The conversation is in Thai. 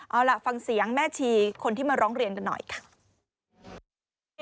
เอาล่ะฟังเสียงแม่ชีคนที่มาร้องเรียนกันหน่อยค่ะ